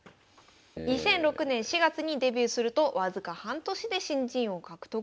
２００６年４月にデビューすると僅か半年で新人王獲得。